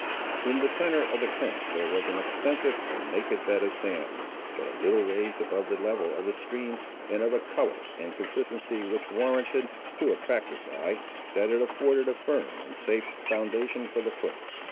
In the centre of the current there was an extensive and naked bed of sand, but a little raised above the level of the stream and of a colour and consistency which warranted, to a practised eye, that it afforded a firm and safe foundation for the foot.